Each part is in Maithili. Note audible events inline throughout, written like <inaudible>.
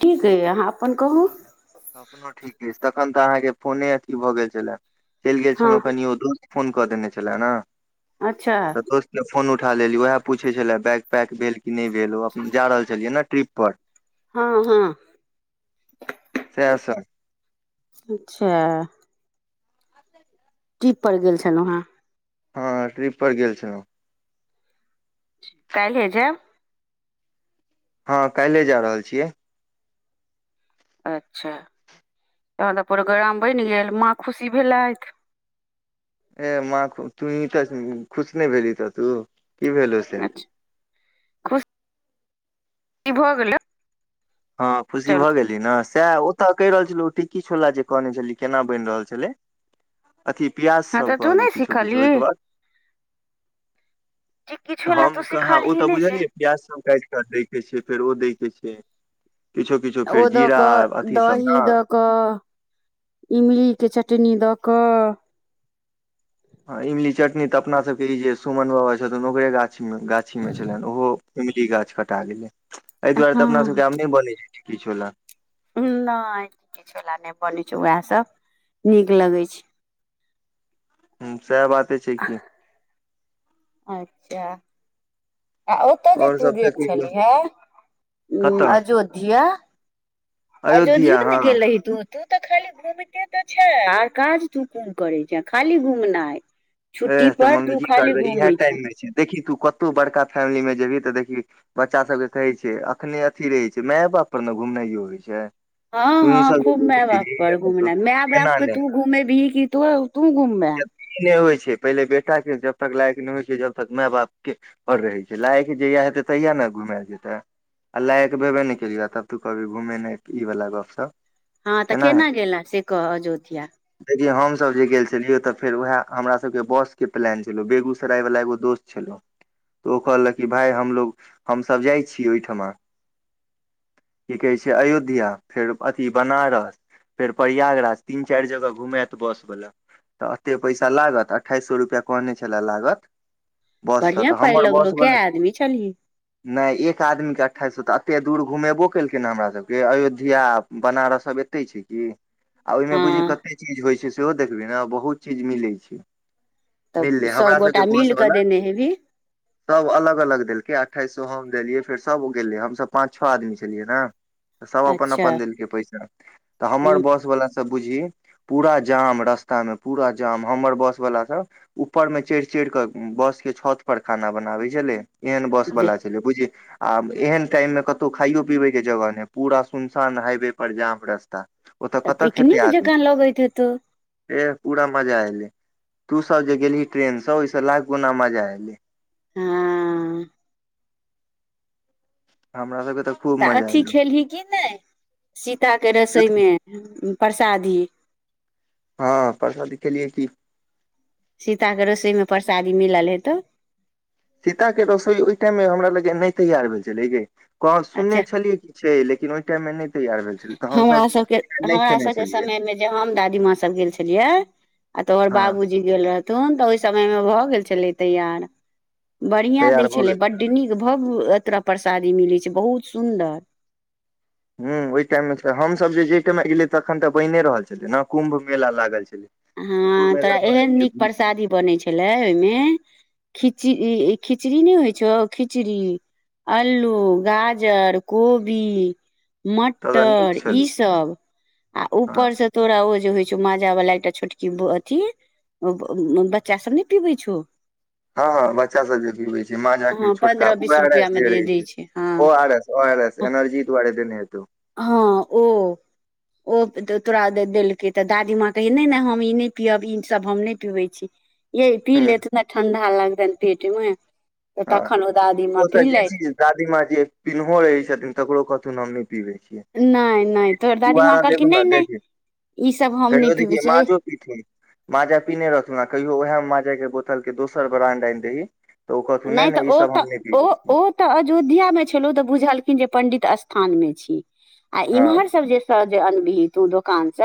ठीक अय अहाँ अपन कहू अपनो ठीक अछि तखन तऽ अहाँकेँ फोने अथी भऽ गेल छलै चैल गेल हँ छलहुँ कनि ओ दूध फोन कऽ देने छलै नऽ अच्छऽ दोस्त केँ फोन उठा लेलि ओहै पूछै छलै बैग पैक भेल की नइ भेल ओ अपने जा रहल छलियै नऽ ट्रिप पर हँ हँ सैह सब अच्छऽ ट्रिप पर गेल छलहुँ हँ हँ हँ ट्रिप पर गेल छलौ काइले जैब हँ काइले जा रहल छियै अच्छा तहन तऽ प्रोग्राम बैन गेल माँ खुशी भेलैथ ए माँ खु तुही तऽ खुश नइ भेलही तऽ तू की भेलौ से अच्छा ई भऽ गेलै हँ खुशी चलू भऽ गेली नऽ सैह ओतऽ कहि रहल छलहु ओ टिक्की छोला जे कहने छलही केना बैन रहल छलै अथी प्याज हँ सब तऽ तू कहली नहि किछो किछो ओहिकेँ सिखलही बाद जे किछो लए हम तू कहाँ ओ सिखलही तऽ नहि से बुझलियै प्याज सब काइट कऽ दैय कऽ छै फेर ओ दैय कऽ छै किछो किछो ओ फेर द जीरा कऽ अथी सब दही ने द कऽ इमली केँ चटनी द कऽ हँ इमली चटनी तऽ अपना सबके ई जे सुमन बाबा छथुन ओकरे गाछीमे गाछीमे छलैन उहो इमली गाछ कटा गेलै एय दुआरे हँ तऽ अपना सभ केँ आब नय बनै छै टिक्की छोला नय किछो लऽ नय बनै छै वैह सब नीक लगे छै हूँ सैह बाते छै की अच्छऽ आ ओतऽ जे और तू सब तऽ गेल कहियौ छलहि है उ कतऽ अजोध्या अजोधियो अयोध्या नऽ हँ गेल रही तू तू तऽ खाली घूमिते तऽ छे आर काज तू कोन करै छ खाली घुमनाइ छुट्टी एह तऽ पर मम्मी तू की खाली करबै इएह घूमै टाइम छेय मे छै देखी तू कतहुँ बड़का फैमिली मे जेबही तऽ देखही बच्चा सभ केँ कहै छै अखने अथी रहै छै माए बाप पर नऽ घुमनाइयो होइ छै हँ - तूही हँ सब जे खूब माय बाप पर देखबही तो घूमना माय बाप एना कऽ नहि तू घूमेबहि की तो तू घूमबे ई नय होइ छै पहिले बेटा केँ जब तक लायक नय होइ छै जब तक माय बाप केँ पर रहै छै लायक जहिया हेतै तहिया नऽ घुमायल जेतै आ लायक भेबे नहि केलियह तब तू कहभी घूमे नहि ई वाला गप स ह तऽ केना गेलें से कह अयोध्या देखियौ हमसभ जे गेल छलियै तऽ फेर उएह हमरा सब के बस के प्लान छलो बेगूसराय वला एगो दोस्त छलो तऽ ओ कहलक कि भाय हमलोग हमसभ जाइ छी ओहिठिमा की कहै छै अयोध्या फेर अथी बनारस फेर प्रयागराज तीन चारि जगह घुमत बस वालला तऽ एते पैसा लागत तऽ अठइस सए रुपैआ कहने छले लागत बस स बढ़िया तऽ। पाइ हमर बस लगलो कै वला आदमी छलही नहि एक आदमीके अठाइस सए तऽ एतेक दूर घुमेबो केलकिन ह हमर सभके अयोध्या बनारस सब छै की आ ओहिमे हँ बुझिय कते चीज होइ छै सेहो देखबै ने बहुत चीज मिले छै तऽ मिलले हमरा सबके सभगोटा बस मिल कऽ बला देने हेबही सब अलग अलग देलकै अठईस सए हम देलियै फेर सब गेलै हमस पाँच छओ आदमी छलियै ने तऽ सब अपन अच्छा अपन देलकै पैसा तऽ हमर ह बस वला बुझी पूरा जाम रास्तामे पूरा जाम हमर बस वलाा सब ऊपर में चढ़ि चढ़िक बसके छत पर खाना बनाबै छलै एहन बस तऽ वला छलै बुझी आब एहन टाइम मे कतहु खाइयो पीबे के जगह नहि पूरा सुनसान हाइवे पर जाम रस्ता ओत कत खेते पिकनिक आदमी जकाँ लगैत हेतौ ऐह पूरा मजा एले तू सब जे गेलही ट्रेन से ओहिस लाख गुना मजा एले हँ हमरा सबके त अथी खेलही की नै सीताके रसोइमे परसादी हँ परसादी खेलियै की सीताके रोसोइमे परसादी मिलल हेतौ सीताके रसोई ओइ टाइममे हमरा लागैया नै तैयार भेल छलै गे कह सुनने अच्छा छलियै की से लेकिन ओइ टाइममे नै तैयार भेल छलै न हमरा सबके हमरा सबके समय मे जे हम दादीमााँ सब गेल छलियै आ तोहर हँ बाबू जी जे गेल रहथिन ओइ समयमे भऽ गेल रहय तैयार, बढ़ियां तैयार दै भऽ गेल छलै बड्ड बड नीक भव्य एतर परसादी मिलै छै बहुत सुंदर हुं ओइ टाइममे छै हमसब जे जै टाइमे गेलियै तखन त बनिये रहल छलै न कुम्भ मेला लागल छलै तऽ कुम्भ हंअ तोरा मेला एहन नीक परसादी बनै छलै ओइमे खिची ई खिचड़ी नै होइ छौ खिचड़ी अल्लू गाजर कोबी त नीक मटर ई छलै सब आ हँ ऊपर से तोरा ओ जे होइ छौ माजा वला एकटा छोटकी अथी बच्चा सब नै पिबै छौ हँ हँ बच्चा सब जे पीबै छै माजाके हँ छोटका पन्द्रह बीस उएह रुपआ मे जे रहै दै छै हँ O R S O R S energy दुआरे देने हेतौ हँ ओ ओ तोरा देलकै तऽ दादीमाँ कहय नै नै हम हम ई नै पिअब ई सब हम नै पिबै छी यै पी ह लएथु ने ठंडा लगतनि पेटमे तखन ओ दादीमां पिलथि दादीमां जे पिन्हो रहै छथिन तकरो कहथुन हम नै पिबै छी नहि नहि तोहर दादीमाँ दुबारा कहलखिन देबहुन ने नहि नहि देखी, ई सब हम नहि कहिओ पीबै देखही छियै माजो पिथुन माजा पिने रहथुन आ कहियो उहा माजाके बोतल के दोसर ब्रांड आइनदही त ओ कह नै नै ई सब हम नैप पिबै छी त अयोध्यामे छलौ त बुझलखिन जे पंडित स्थानमें छी आ हँ इम्हर सब जे तऽ जे अनबिही तू दोकानस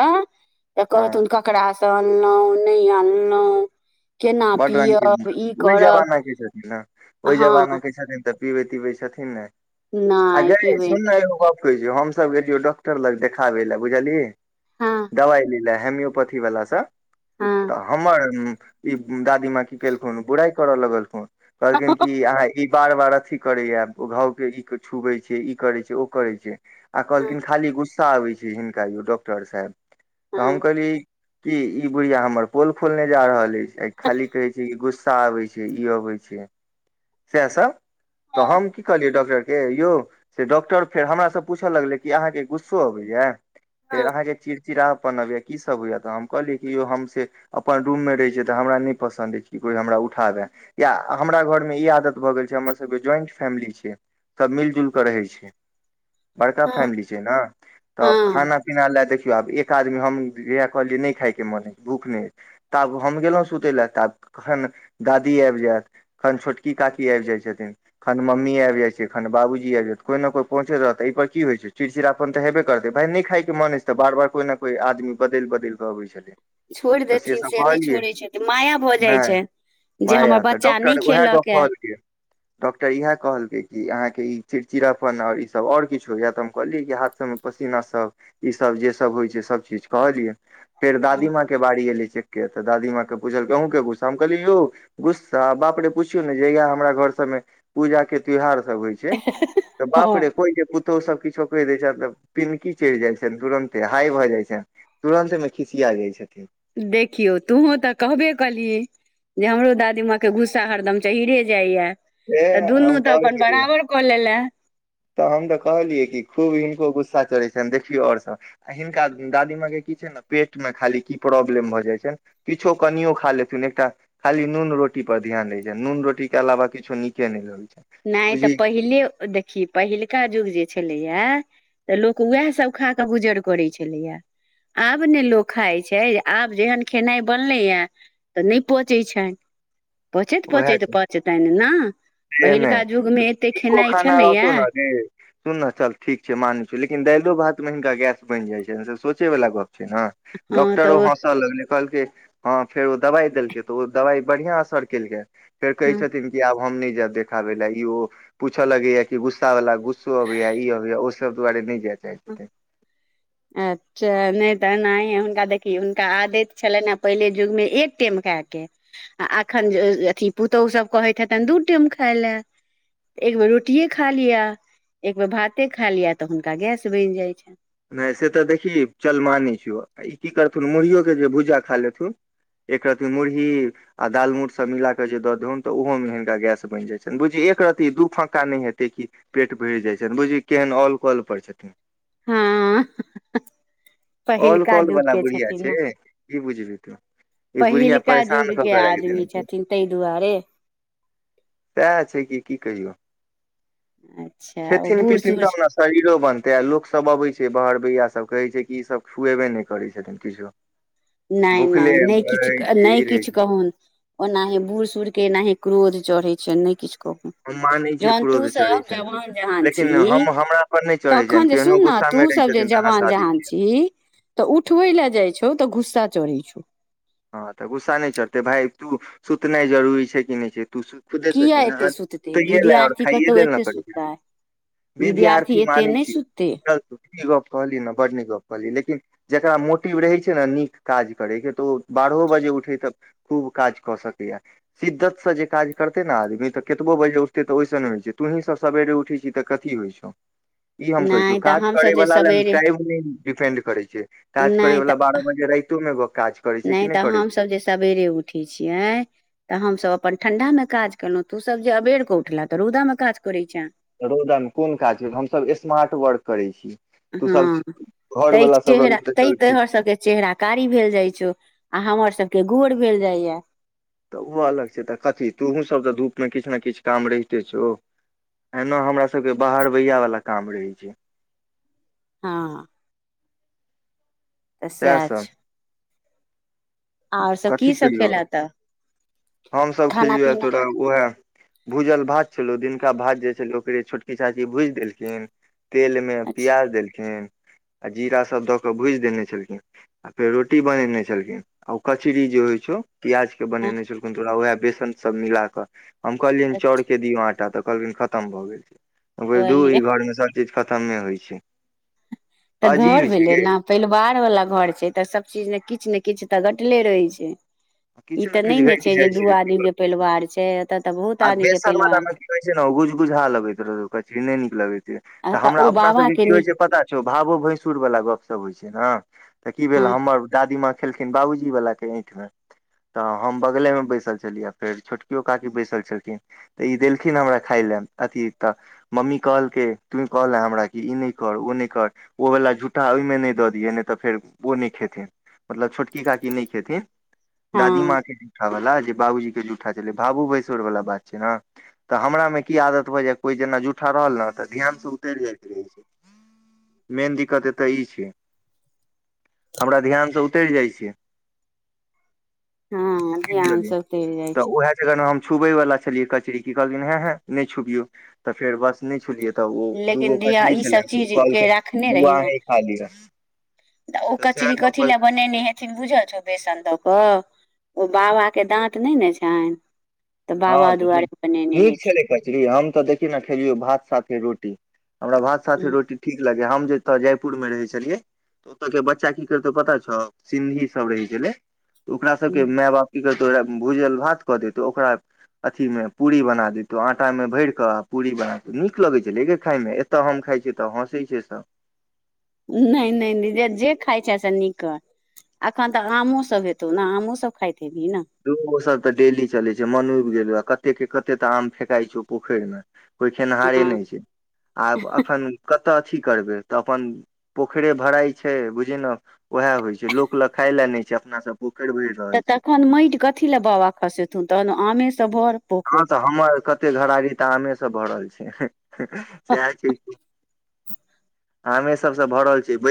त हँ कहथुन ककरास अनलौ नै अनलौ बड रंगके ओइ करब जमाना के छथिन न ओइ जमाना हँ के छथिन त पिबै तिबै छथिन नैय, आ नहि गै पीबै सुन न एगो गप हमसब गेलियौ डॉक्टर लग देखाबै ले बुझलही, हँ दवाइ लै ले हेमियो पथी वला स हँ त हमर ई दादी मां की केलखुन बुराई करऽ लगलखुन हँ कहलखिन की आहा आइ ई बार बार अथी करैया ओ घावके ई छुबै छै ई करै छै ओ करै छैय आ कहलखिन खाली गुस्सा आबै छै हिनका यौ डॉक्टर साहेब तऽ हँ हम कहलिअइ ई ई बुढ़िया हमर पोल खोलने जा रहल अ इ आ खाली कहै छै कि गुस सा आबै छै ई अबै छै सैह सब तऽहम की कहलियै डॉक्टर हे यौ से डॉक्टर फेर हमरा स पूछ लगलै कि अहाँ के गुस्सो अबैया फेर हँ अहाँके चिड़चिड़ापन अबैया की सब होइया तऽ हम कहलियै कि यौ हम सेऽ अपन रूम मे रहै छिअइ से हमरा नै पसन्द अछि कि कोइ हमरा उठा बैय या हमरा घर मे ई आदत भ गेल छै हमर सबके ज्वाइंट फेैमिली छैय सब मिल जुलिकऽ रहै छै बड़का हँ फैमली छिय न तब हँ खाना पीना लैय देखियौ आब एक आदमी हम जहिया कहलियै नै खाइके मोन है भूख नै है ताब हम गेलौं सुतै ले ताब कखन दादी आबि जाएत खन छोटकी काकी आब जाइ छथिन खन मम्मी आबि जाइ छै खन बाबूजी आबि जाएत त कोई ने कोई पहुंचैत रहत तऽ ऐ पर की होइ छैय चिड़चिड़ाप पन त हेबे करतै भाइ नै खाइ के मन अछि त बार बार कोई ने कोई आदमी बदलबदल क आबै छथिन छोरि देथिन से नै य छोड़े, छथिन माया भ जाइ नहि छैय जे माया हमर तऽ बच्चा नय डॉक्टर उएह खेलक गप ए कहलकै डॉक्टर इएह कहलकै कि अहाँके ई चिड़चिड़ापन आर ई सब आओर किछु होइया तऽहम कहलियै कि हाथ मे पसीना सब ई सब जे सब होइ छैय सभ चीज कहलिय फेर ह दादीमां के बारी एलै चेक के तऽ दादीमाां के पुछलखिन अहुं के गुस्सा हम कहलिअनि यौ गुस्सा बाप रे पुछियौ नै जहिया हमरा घर सबमे पूजा के त्योहार सब जै होइ छै तऽबाप हँ रे कोइ जे पुत तो सभ किछो कहि दै छै न तऽ पिनकी चढ जाइ छनि तुरन्ते हाइ भ जाइ छैन तुरन्तमे खिसिया जाइ छथिन देखियौ तुहूँ तऽ कहबे कलिही जे हमरो दादी माँ के गुस्सा हरदम चहिरे जाइया से तऽ दुनू हम तऽ कहबे अपन केलियै बराबर कऽ लेलैऽ तऽ हम तऽ कहलियै कि खूब हिनको गुस्सा चढ़ै छैन देखियौ आओर सब आ हिनका दादी माँ के की छैन ने पेट मे खाली की प्रॉब्लम भऽ जाइ छैन किछो कनियो खा लेथुन एकटा खाली नून रोटी पर धियान रहय छैन, नून रोटी के अलावा किछो नीके नय लगै छैन नै तऽपहिले देखही पहिलका युग जे छेलैया त लोक उएह सभ खा क ऽ गुजर करै छलैया आब ने लोक खाइ छै आब जेहेन खेनाइ बनलै ऐ तऽ नै पचै छैनपचैत उएह पचैत छै पचैन न से नहि नीको खाना छलैया रहतौ न जी सुन ने चल ठीक छै माने छी यौ लेकिन दालियो भातमे हिनका गैस बनि जाइ छै ने सोचे वाला गप्प छै ने हँ डॉक्टरो तऽ ओ हंस हंसऽ लगलै कहलक हाँ फेर ओ दबाइ देलकै तऽ ओ दबाइ बढ़ियाँ असर केलकै फेर कहै हँ छथिन कि आब हम नहि जायब देखाबे ला इ ओ पूछय लगै या कि गुस्सा वला गुस्सो अबैया ई अबैया ओ सब दुआरे नहि जाए चाहै छथिन अं चाहे नहि तऽ एनाहिं हुनका देखियो हुनका आदत छलनि हें पहिले जुगमे एक टाइम खाइके आ एखन जे अथि पुतोहु सब कहैत हेतन दू टाइम खाइ लाए एक बेर रोटिए खा लिअ एक बेर भाते खा लिअ तऽ हुनका गैस बनि जाइ छनि नहि से तऽ देखिहीं चलमाने छीयौ ई की करथुन मुरहीयो के जे भुजा खा लेथुन एकरती मुड़ही आ दाल मूट सभ मिलाकऽ जे दऽ दहुन तऽ ओहोमे हिनका गैस बनि जाइ छनि बुझिहीं एक रत्ती दू फँका नहि हेतै की पेट भरि जाइ छनि बुझहीं केहन औल कल पर छथिन ऐं-ह-ह ऑल कॉल वला बुढ़िया छै की बुझबिंहीं ई बुढ़िया पहिलका परेशान युग कऽ के राखि देने आदमी छै छथिन ताहि दुआरे सहाए छै कि की कहियो अच्छा ओ खेथिन बूढ़ पीथिन सूढ़ तब ने शरीरो बनतै आ लोक सब अबे छै बाहर भैया सब कहै छै की ई सब खुएबे नहि करै छथिन किछो नै नै भुखले नहि किछ रहै छै नहि ई रहै किछ छै कहून ओनाहिं बूढ़ सूढ़के एनाहिं क्रोध चढ़ै छै नहि किछ कहून हम मानै छियै जहन तू क्रोध सब चढ़ै छनि जवान जहान लेकिन छीहिं हम हमरा पर नहि चढ़ै तखन छनि जे सुन केहनो ने गुस्सा तू मे रहै सब जे छथिन तऽ जवान हँसा दै जहान छियै छी तऽ उठबै लाए जाइ छौ तऽ गुस्सा चढै छौ हाँ तऽ गुस्सा नहि चढ़तै भाइ तू सुतनाइ जरूरी छै की नहि छै तू खुदे किया सोचहिं नऽ एते तऽ सुततै सूतै लाए आओर विद्यार्थी खाइ कतौ लाए न एते करै छै सुततै विद्यार्थी बिधार्थी एते माने नहि छी सुततै गलती ई गप्प कहलियै नऽ बड्ड नीक गप्प कहलियै लेकिन जेकरा मोटिव रहै छै नऽ नीक काज करैके तऽ ओ बारहो बजे उठेय तऽ खूब काज कऽ सकैया शिद्दतसँ जे काज करतै ने आदमी तऽ कतबो बजे उठतै तऽ ओहिस नहि होइ छै तूंही सब सवेरे उठै छीहीं तऽ कथि होइ छौ ई हम कहै छीयो नहि तऽ काज करै हमसभ जे वला लाए ने सवेरे टायम नै डिपेंड करै छै काज नहि करैवला तऽ बारह बजे राइतोमे ग- काज करै छै नहि कि तऽ करै छै। हमसभ जे सवेरे उठै छियै तऽ हमसभ अपन ठंडांमे काज केलहुँ तऽ सभ जे अबेर कऽ उठलेंह तऽ रौदामे काज करै छाँ रौदामे कोन काज भेल हमसभ स्मार्ट वर्क करै छी तू सब हाँ घर तै वाला सब रह चेहरा तऽ तै चल ठीक तोहर छै, सबके चेहरा कारी भेल जाइ छो आ हमर सबके गोर भेल जाइ या तऽ ओ अलग छै तऽ कथि तोहूँसभ तऽ धूपमे किछु ने किछु काम रहिते छौ एना हमरा सबके बाहर भैया वला काम रहै छै हाँ तऽ सएह साह छै आओर सब कथि की सब केलियौ खेला तऽ हमसभ खाना खेलियौ या पीना तोरा ओहा भूजल भात छलौं दिनका भात जे छलै ओकरे छोटकी चाची भूजि देलखिन तेलमे अच्छा प्याज देलखिन आ जीरा सभ दऽ कऽ भुजि देने छलखिन आ फेर रोटी बनेने छलखिन ओ कचरी जे होइ छौ प्याज केँ बनेने छलखुन तोरा उहै बेसन सभ मिला कऽ हम कहलियै अच्छा चौर केँ दिऔ आटा तऽ कहलिन खतम भए गेल छै हम दू ई तऽ घर में चीज खतम होइ छै तऽ घर अजीब छै भेलै गे न परिवार वला घर छै तऽ सब चीज ने किछ नै किछ तऽ घटले रहै छै ई किछु तऽ नै किछु ने घटि छै जे जाइ दू आदमी केँ परिवार छै एत तऽ बहुत आ आदमी केँ बेसन वाला परिवार मे छै की कहै छै न ओ गुज गुजहा लगैत रह कचरी नै नीक लगै तऽ हमरा ओ अपना बाबा सब केँ के की होइ नी छै पता छौ भावो भैंसुर वला गप सब होइ छै न तऽ की भेल हँ हमर दादी माँ खेलखिन बाबूजी बला केँ ऐठ में तऽ हम बगले में बैसल छलियै फेर छोटकियो काकी बैसल छलखिन तऽ ई देलखिन हमरा खाय लए अथी तऽ मम्मी कहलकै तुी कहल हमरा कि ई नै कर ओ नै कर ओ वला झूठा ओइमें नै दऽ दियै नै तऽ फेर ओ नै खेथिन मतलब छोटकी काकी नै खेथिन दादी हँ माँ केँ जूठा वला जे बाबूजी केँ जूठा छलै भाबो भैसुर सुर वला बात छियै न तऽ हमरा म की आदत भै जा कोई जेना जूठा रहल न तऽ ध्यान से उतरि जाइत रहै छै मेन दिक्कत एतऽ ई छै हमरा ध्यान से उतर जाइ छियै हँ <inaudible> की ध्यान बुझलही सब चलि जाइ तऽ छै उहे जरन हम छुबै वला छलियै कचरी की कहलिन हे हे नै छुबियौ तऽ फेर बस नै छुलियै तऽ ओ दूगो लेकिन धिया कचरी ई सब छले ओ चीज के कहलकै राखने बौआ रही ने अहीं खा लिए तऽ ओ कचरी कथी लऽ ब नेने हेथिन बुझल छौ बेसन दऽ कऽ ओ बाबा कऽ दाँत नै न छैन तऽ बाबा हँ तऽ दुआरे बनेने नीक हेथिन छलै हम तऽ देखी ने खेलियौ भात साथे रोटी हमरा भात साथे रोटी ठीक लगै हम जेतऽ जयपुर में रहै छलियै ओतऽ कऽ बच्चा की करतौ पता छौ सिन्धी सब रहै छै लै ओकरा सब कऽ मैय बाप की करतौ भूजल भात कऽ देतौ ओकरा अथी में पूरी बना देतो आटा में भैर कऽ पूरी बना नीक लगैत छलै गै खाय में ऐत हम खाइ छियै तऽ हँसै छैै सब नै नै नै जे जे खाइ छै से नी क अखन तऽ आमो सब हेतौ न आमो सब खैत हेबही न धु ओ सब तऽ डेली चलै छै मन उइब गेलो कते केँ कते तऽ आम फेेकई छौ पोखैर में कोइ खेनहारे हँ नै छै आब एखन कत अथी करबै तऽ अपन पोखरे भराई छै बुझी न उहै होय छै लोक लऽ खाय लऽ नै छै अपना सब पोखैर भैर तऽ तखन माइट कथी लए बाबा खसेथुन तहन आमे स भर हँ पोखरि तऽ हमर कते घरारी तऽ आमे से भरल छै सेहा की <inaudible> आमे सब स भर छैय